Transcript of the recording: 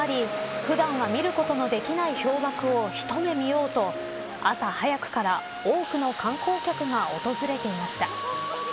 普段は見ることのできない氷瀑を一目見ようと朝早くから多くの観光客が訪れていました。